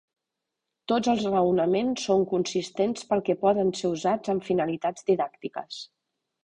Tots els raonaments són consistents pel que poden ser usats amb finalitats didàctiques.